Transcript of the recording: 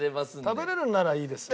食べれるんならいいです。